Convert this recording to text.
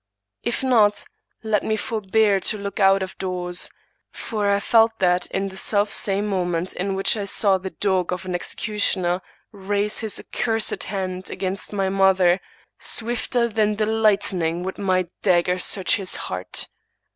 If not, let me forbear to look out of doors; for I felt that in the selfsame moment in which I saw the dog of an executioner raise his accursed hand against my mother, swifter than the lightning would my dagger search his heart.